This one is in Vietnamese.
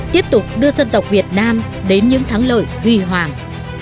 tiếp tục đưa dân tộc việt nam đến những thắng lợi huy hoàng